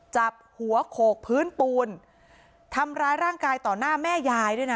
จับหัวโขกพื้นปูนทำร้ายร่างกายต่อหน้าแม่ยายด้วยนะ